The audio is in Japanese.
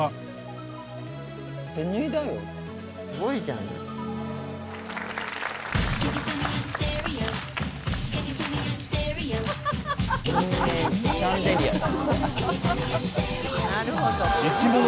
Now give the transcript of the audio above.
なるほど。